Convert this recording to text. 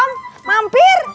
nggak ini mobilnya